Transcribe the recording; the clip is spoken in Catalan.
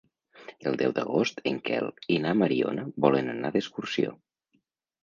El deu d'agost en Quel i na Mariona volen anar d'excursió.